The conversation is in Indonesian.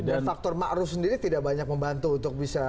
dan faktor ma'ruf sendiri tidak banyak membantu untuk bisa